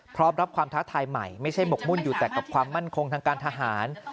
พร้อมรับความท้าทายใหม่ไม่ใช่หมกมุ่นอยู่แต่กับความมั่นคงทางการทหาร